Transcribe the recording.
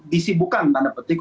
disibukan tanda petik